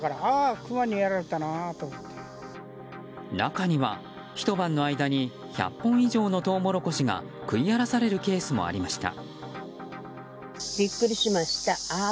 中には、ひと晩の間に１００本以上のトウモロコシが食い荒らされるケースもありました。